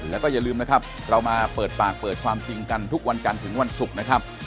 แล้วก็อย่าลืมนะครับเรามาเปิดปากเปิดความจริงกันทุกวันกันถึงวันศุกร์นะครับ